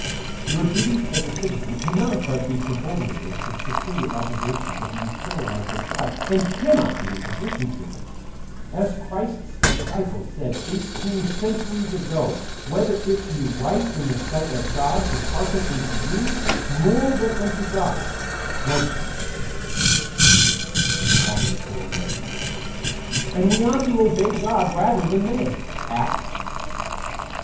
Your duties as a citizen cannot but be subordinated to the superior obligations of the eternal life of God, and cannot be in opposition to them. As Christ's disciples said eighteen centuries ago: "Whether it be right in the sight of God to hearken unto you more than unto God, judge ye" (Acts iv. 19); and, "We ought to obey God rather than men" (Acts v.